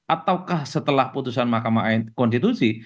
ataukah setelah putusan mahkamah konstitusi